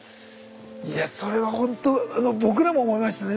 いやそれはほんと僕らも思いましたね